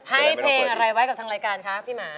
ให้เพลงอะไรไว้กับทางรายการคะพี่หมา